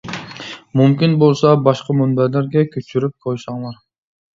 مۇمكىن بولسا باشقا مۇنبەرلەرگە كۆچۈرۈپ قويساڭلا.